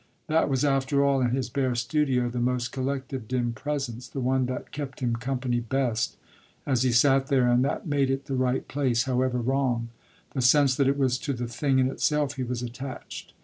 That was after all in his bare studio the most collective dim presence, the one that kept him company best as he sat there and that made it the right place, however wrong the sense that it was to the thing in itself he was attached.